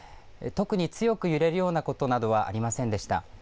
特に強く揺れるようなことなどはありませんでした。